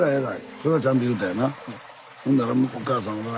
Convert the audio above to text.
それはちゃんと言うたんやな。